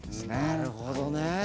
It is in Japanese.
なるほどね。